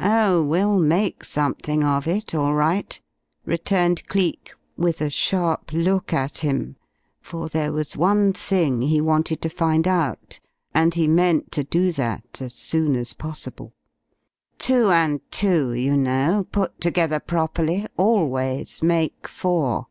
"Oh, we'll make something of it all right," returned Cleek, with a sharp look at him, for there was one thing he wanted to find out, and he meant to do that as soon as possible. "Two and two, you know, put together properly, always make four.